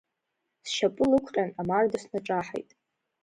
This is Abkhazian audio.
Сшьапы лықәҟьан амарда снаҿаҳаит.